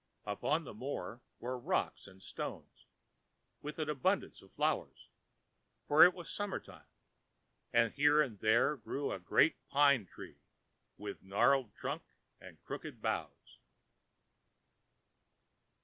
Upon the moor were rocks and stones, with an abundance of flowers, for it was summer time, and here and there grew a dark pine tree, with gnarled trunk and crooked boughs.